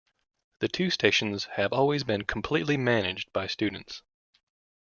The two stations have always been completely managed by students.